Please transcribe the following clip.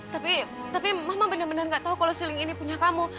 tapi tapi mama bener bener nggak tahu kalau suling ini punya kamu